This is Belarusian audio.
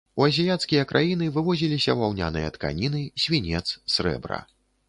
У азіяцкія краіны вывозіліся ваўняныя тканіны, свінец, срэбра.